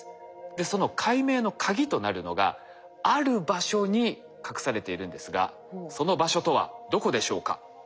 その解明のカギとなるのがある場所に隠されているんですがその場所とはどこでしょうか？